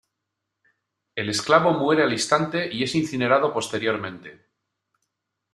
El esclavo muere al instante y es incinerado posteriormente.